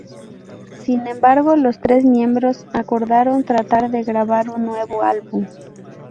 Sin embargo, los tres miembros acordaron tratar de grabar un nuevo álbum.